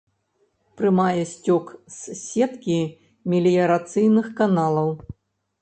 Прымае сцёк з сеткі меліярацыйных каналаў.